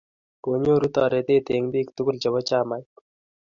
konyoru torite eng' biik tugul chebo chamait.